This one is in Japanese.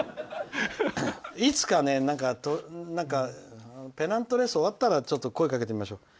いつかペナントレース終わったら声かけてみましょう。